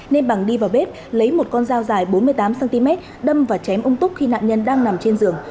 nên bằng đi vào bếp lấy một con dao dài bốn mươi tám cm đâm và chém ông túc khi nạn nhân đang nằm trên giường